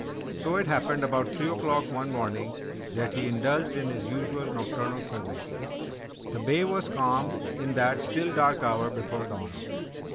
So, it happened about three o'clock one morning, that he indulged in his usual nocturnal survey. The bay was calm in that still dark hour before dawn.